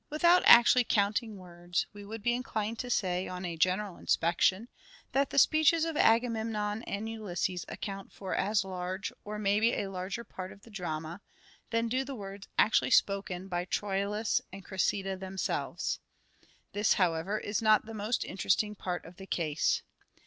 Without actually counting words, we would be inclined to say, on a general inspection, that the speeches of Agamemnon and Ulysses account for as large, or maybe a larger, part of the drama, than do the words actually spoken by Troilus and Cressida themselves. This, however, is not the most interesting part of the case.